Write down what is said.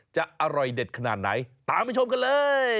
จะอร่อยเด็ดขนาดไหนตามไปชมกันเลย